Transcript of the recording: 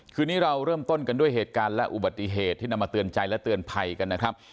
คืนนี้เราเริ่มต้นกันด้วยเหตุการณ์และอุบัติเหตุที่นำมาเตือนใจและเตือนภัยกันนะครับ